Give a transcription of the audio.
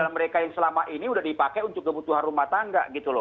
mereka yang selama ini udah dipakai untuk kebutuhan rumah tangga gitu loh